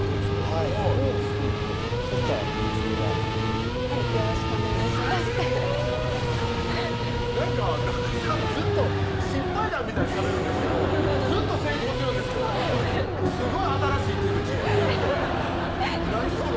はいそしたら睦美が「はいよろしくお願いします」なんか旦那さんずっと失敗談みたいにしゃべるんですけどずっと成功してるんですけどすごい新しい手口なに？